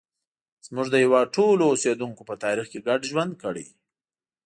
زموږ د هېواد ټولو اوسیدونکو په تاریخ کې ګډ ژوند کړی.